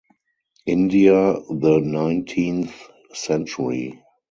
India, the nineteenth century.